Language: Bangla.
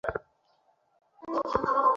আমরা তোমাকে ঘৃণা করি।